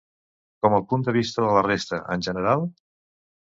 Com el punt de vista de la resta, en general?